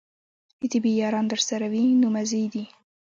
د طبې یاران درسره وي نو مزې دي.